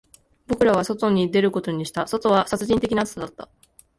僕らは外に出ることにした、外は殺人的な暑さだった